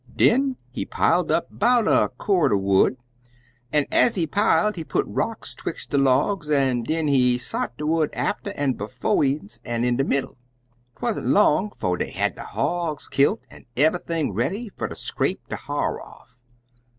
Den he piled up 'bout a cord er wood, an' ez he piled, he put rocks 'twix' de logs, an' den he sot de wood after at bofe een's an' in de middle. 'Twan't long 'fo' dey had de hogs killt, an' eve'ything ready fer ter scrape de ha'r off.